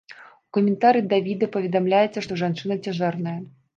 У каментары да відэа паведамляецца, што жанчына цяжарная.